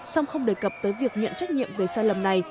song không đề cập tới việc nhận trách nhiệm về sai lầm này